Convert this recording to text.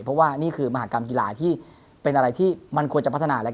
เพราะว่านี่คือมหากรรมกีฬาที่เป็นอะไรที่มันควรจะพัฒนาและ